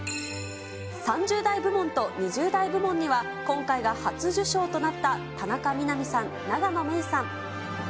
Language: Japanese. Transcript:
３０代部門と２０代部門には、今回が初受賞となった田中みな実さん、永野芽郁さん。